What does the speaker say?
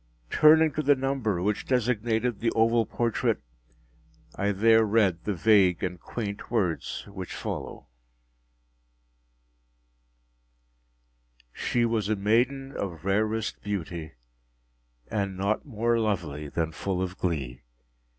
Turning to the number which designated the oval portrait, I there read the vague and quaint words which follow: “She was a maiden of rarest beauty, and not more lovely than full of glee.